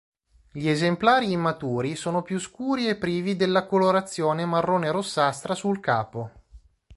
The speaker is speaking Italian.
Gli esemplari immaturi sono più scuri e sono privi della colorazione marrone-rossastra sul capo.